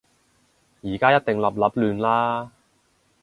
而家一定立立亂啦